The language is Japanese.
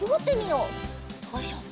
よいしょ。